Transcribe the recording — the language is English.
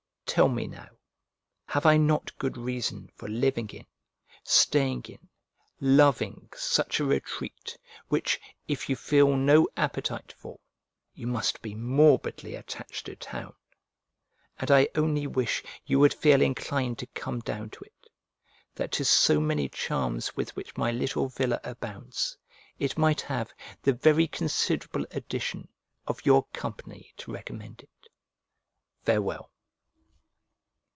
Tell me, now, have I not good reason for living in, staying in, loving, such a retreat, which, if you feel no appetite for, you must be morbidly attached to town? And I only wish you would feel inclined to come down to it, that to so many charms with which my little villa abounds, it might have the very considerable addition of your company to recommend it. Farewell.